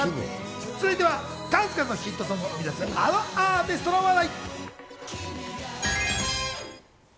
続いては数々のヒットソングを生み出す、あのアーティストの話題。